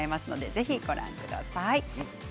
ぜひ、ご覧ください。